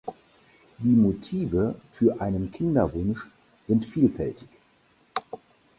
Die Motive für einen Kinderwunsch sind vielfältig.